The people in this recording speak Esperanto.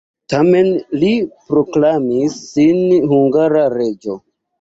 Tamen li proklamis sin hungara reĝo.